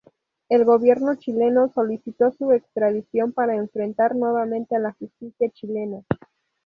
El gobierno chileno solicitó su extradición para enfrentar nuevamente a la justicia chilena.